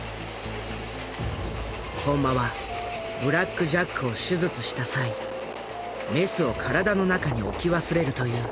本間はブラック・ジャックを手術した際メスを体の中に置き忘れるという致命的なミスを犯してしまう。